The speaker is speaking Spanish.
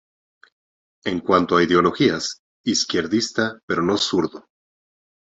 En cuanto a ideologías, izquierdista, pero no zurdo.